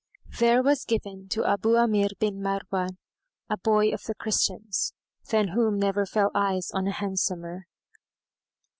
There was given to Abú Ámir bin Marwán,[FN#177] a boy of the Christians, than whom never fell eyes on a handsomer.